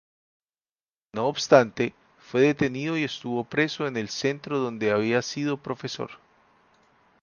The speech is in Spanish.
No obstante, fue detenido y estuvo preso en el centro donde había sido profesor.